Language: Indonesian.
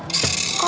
bagus ya kota